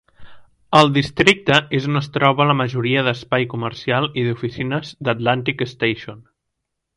El districte és on es troba la majoria d'espai comercial i d'oficines d'Atlantic Station.